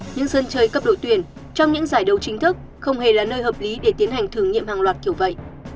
những sân chơi cấp đội tuyển trong những giải đấu chính thức không hề là nơi hợp lý để tiến hành thử nghiệm hàng loạt kiểu vậy